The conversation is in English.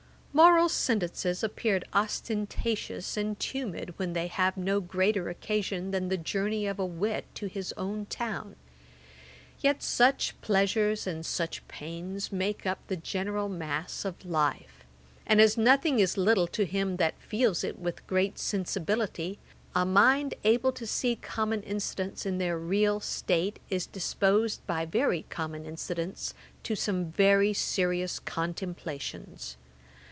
'Moral sentences appear ostentatious and tumid, when they have no greater occasions than the journey of a wit to his own town: yet such pleasures and such pains make up the general mass of life; and as nothing is little to him that feels it with great sensibility, a mind able to see common incidents in their real state, is disposed by very common incidents to very serious contemplations.